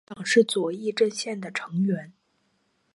该党是左翼阵线的成员。